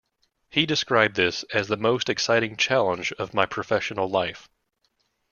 He described this as "the most exciting challenge of my professional life".